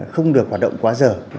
không được hoạt động quá dở